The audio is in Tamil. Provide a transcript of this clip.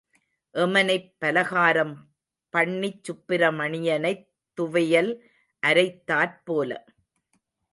எமனைப் பலகாரம் பண்ணிச் சுப்பிரமணியனைத் துவையல் அரைத்தாற் போல.